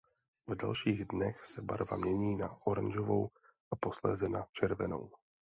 V dalších dnech se barva mění na oranžovou a posléze na červenou.